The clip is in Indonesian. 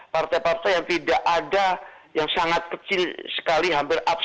partai partai yang tidak ada yang sangat kecil sekali hampir